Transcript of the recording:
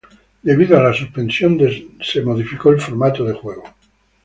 Debido a la suspensión de se modificó el formato de juego.